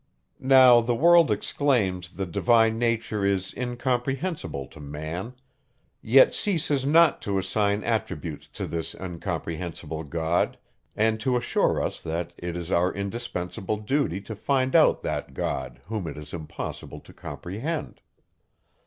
Now, the world exclaims, the divine nature is incomprehensible to man; yet ceases not to assign attributes to this incomprehensible God, and to assure us, that it is our indispensable duty to find out that God, whom it is impossible to comprehend.